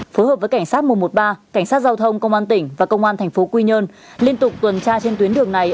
phối hợp với cảnh sát một trăm một mươi ba cảnh sát giao thông công an tỉnh và công an thành phố quy nhơn liên tục tuần tra trên tuyến đường này